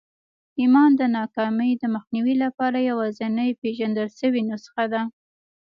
ايمان د ناکامۍ د مخنيوي لپاره يوازېنۍ پېژندل شوې نسخه ده.